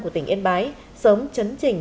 của tỉnh yên bái sớm chấn chỉnh